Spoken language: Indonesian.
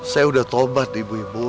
saya udah taubat ibu ibu